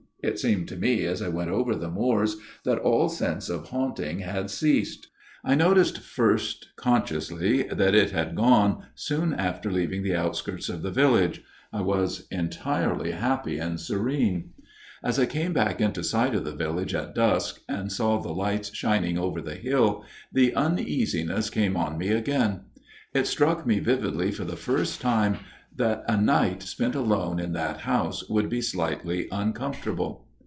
It seemed to me as I went over the moors that all sense of haunting had ceased ; I noticed first FATHER GIRDLESTONE'S TALE 123 consciously that it had gone soon after leaving the outskirts of the village ; I was entirely happy and serene. " As I came back into sight of the village at dusk, and saw the lights shining over the hill, the uneasiness came on me again. It struck me vividly for the first time that a night spent alone in that house would be slightly uncomfortable.